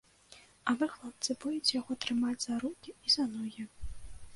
А вы, хлопцы, будзеце яго трымаць за рукі і за ногі.